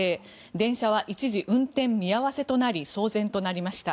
電車は一時、運転見合わせとなり騒然となりました。